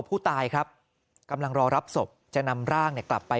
ผู้ตายครับกำลังรอรับศพจะนำร่างเนี่ยกลับไป